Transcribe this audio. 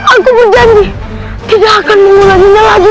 aku berjanji tidak akan mengulanginya lagi